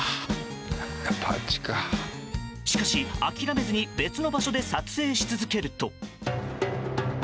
しかし、諦めずに別の場所で撮影し続けると。